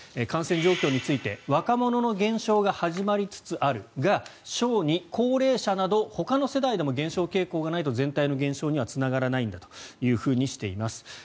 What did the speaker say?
感染状況について若者の減少が始まりつつあるが小児・高齢者などほかの世代でも減少傾向がないと全体の減少にはつながらないんだというふうにしています。